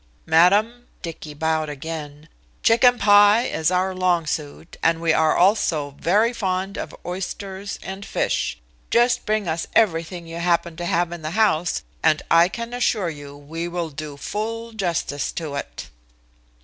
"Madam," Dicky bowed again, "Chicken pie is our long suit, and we are also very fond of oysters and fish. Just bring us everything you happen to have in the house and I can assure you we will do full justice to it."